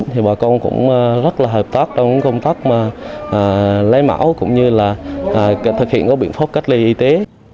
thì bà con cũng rất là hợp tác trong công tác lấy mẫu cũng như là thực hiện các biện pháp cách ly y tế